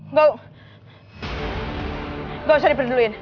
nggak usah diperduluin